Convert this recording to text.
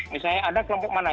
misalnya ada kelompok mana